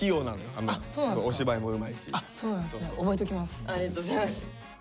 ありがとうございます。